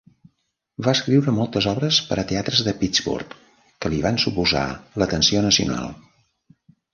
Va escriure moltes obres per a teatres de Pittsburgh que li van suposar l'atenció nacional.